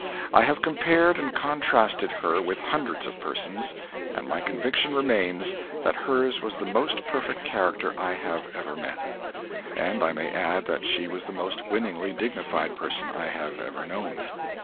I have compared and contrasted her with hundreds of persons, and my conviction remains that hers was the most perfect character I have ever met. And I may add that she was the most winningly dignified person I have ever known.